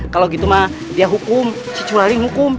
selasi selasi bangun